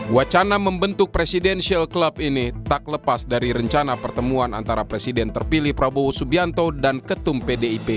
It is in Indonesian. wacana membentuk presidential club ini tak lepas dari rencana pertemuan antara presiden terpilih prabowo subianto dan ketum pdip